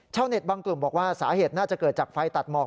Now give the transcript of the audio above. บางกลุ่มบอกว่าสาเหตุน่าจะเกิดจากไฟตัดหมอก